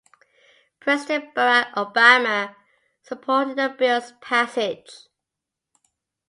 President Barack Obama supported the bill's passage.